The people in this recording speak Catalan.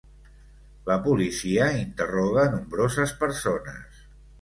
La policia interroga nombroses persones.